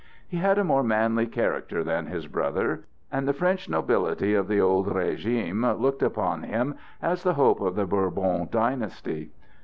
He had a more manly character than his brother, and the French nobility of the old régime looked upon him as the hope of the Bourbon dynasty.